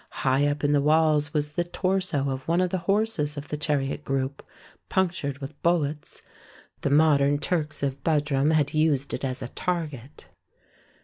High up in the walls was the torso of one of the horses of the chariot group, punctured with bullets; the modern Turks of Budrum had used it as a target.